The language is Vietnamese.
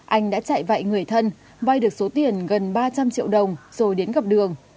anh đã chạy vạy người thân vay được số tiền gần ba trăm linh triệu đồng rồi đến gặp đường